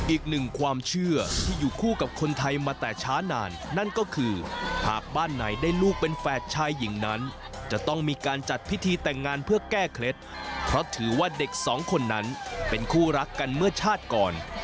อีกหนึ่งความเชื่อที่อยู่คู่กับคนไทยมาแต่ช้านานนั่นก็คือหากบ้านไหนได้ลูกเป็นแฝดชายหญิงนั้นจะต้องมีการจัดพิธีแต่งงานเพื่อแก้เคล็ดเพราะถือว่าเด็กสองคนนั้นเป็นคู่รักกันเมื่อชาติก่อน